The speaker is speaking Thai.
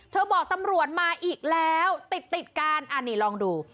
บอกตำรวจมาอีกแล้วติดติดกันอันนี้ลองดู